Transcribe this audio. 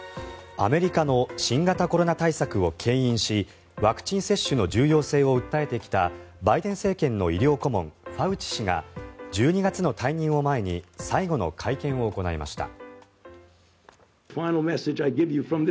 アメリカの新型コロナ対策をけん引しワクチン接種の重要性を訴えてきたバイデン政権の医療顧問ファウチ氏が１２月の退任を前に最後の会見を行いました。